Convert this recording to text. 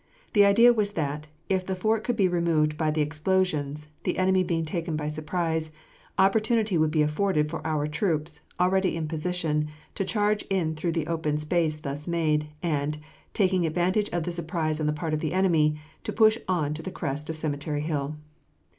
The idea was that, if the fort could be removed by the explosion, the enemy being taken by surprise, opportunity would be afforded for our troops, already in position, to charge in through the open space thus made, and, taking advantage of the surprise on the part of the enemy, to push on to the crest of Cemetery Hill.